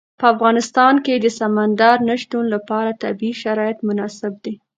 په افغانستان کې د سمندر نه شتون لپاره طبیعي شرایط مناسب دي.